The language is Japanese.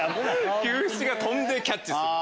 球七が飛んでキャッチする。